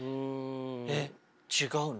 えっ違うの？